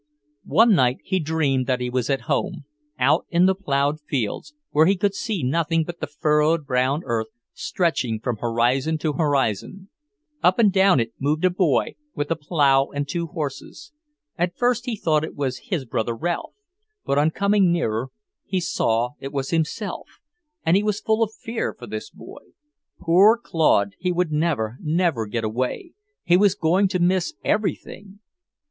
One night he dreamed that he was at home; out in the ploughed fields, where he could see nothing but the furrowed brown earth, stretching from horizon to horizon. Up and down it moved a boy, with a plough and two horses. At first he thought it was his brother Ralph; but on coming nearer, he saw it was himself, and he was full of fear for this boy. Poor Claude, he would never, never get away; he was going to miss everything!